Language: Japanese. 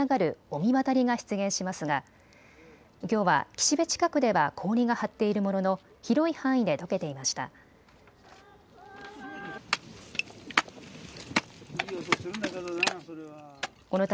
神渡りが出現しますがきょうは岸辺近くでは氷が張っているものの広い範囲で溶けていました。